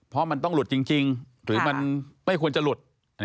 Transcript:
เพราะมันต้องหลุดจริงหรือมันไม่ควรจะหลุด